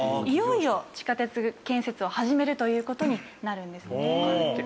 いよいよ地下鉄建設を始めるという事になるんですね。